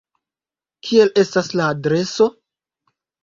Kiel estas la adreso?